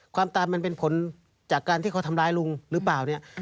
ความตายมันเป็นผลจากการที่เขาทำร้ายลุงหรือเปล่าเนี่ย